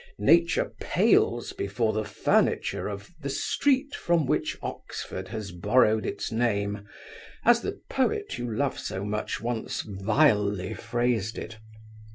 Nature pales before the furniture of 'the street which from Oxford has borrowed its name,' as the poet you love so much once vilely phrased it.